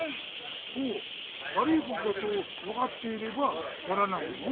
ほう悪いことだとわかっていればやらないの？